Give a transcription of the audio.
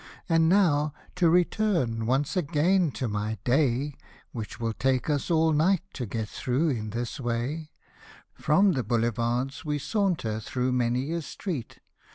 And now (to return, once again, to my " Day," Which will take us all night to get through in this way,) From the Boulevards we saunter through many a street.